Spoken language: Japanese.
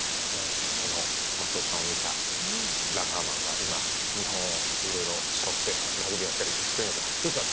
その松尾さんを見たラガーマンが今日本をいろいろ背負ってラグビーやったりしておりますがどうですか